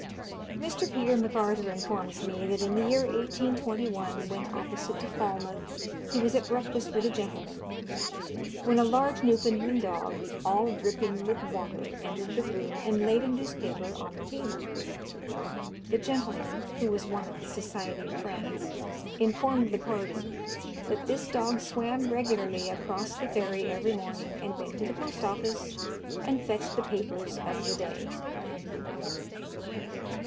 Mr. Peter Macarthur informs me, that in the year 1821, when opposite to Falmouth, he was at breakfast with a gentleman, when a large Newfoundland dog, all dripping with water, entered the room, and laid a newspaper on the table. The gentleman (who was one of the Society of Friends) informed the party, that this dog swam regularly across the ferry every morning, and went to the post office, and fetched the papers of the day.